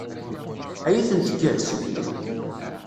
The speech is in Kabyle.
Ad iyi-tent-tekkes?